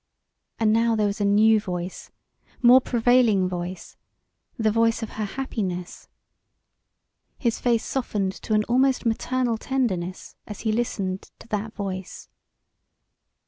And now there was a new voice more prevailing voice the voice of her happiness. His face softened to an almost maternal tenderness as he listened to that voice.